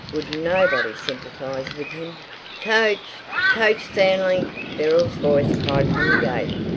Would nobody sympathize with him? "Coach! Coach, Stanley!" Beryl's voice cried from the gate.